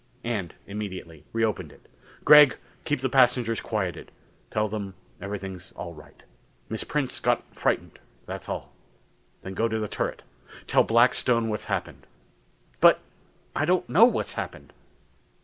And immediately reopened it. "Gregg, keep the passengers quieted. Tell them everything's all right. Miss Prince got frightened that's all. Then go to the turret. Tell Blackstone what's happened." "But I don't know what's happened."